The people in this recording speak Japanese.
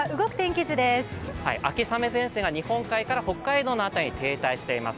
秋雨前線が日本海から北海道の辺りに停滞しています。